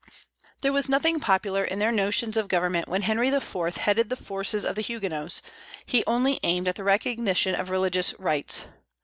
There was nothing popular in their notions of government when Henry IV. headed the forces of the Huguenots; he only aimed at the recognition of religious rights.